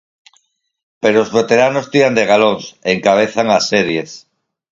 Pero os veteranos tiran de galóns e encabezan as series.